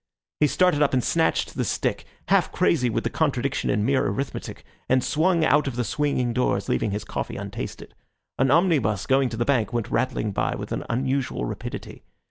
He started up and snatched his stick, half crazy with the contradiction in mere arithmetic, and swung out of the swinging doors, leaving his coffee untasted. An omnibus going to the Bank went rattling by with an unusual rapidity.